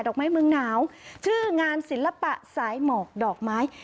อกไม้เมืองหนาวชื่องานศิลปะสายหมอกดอกไม้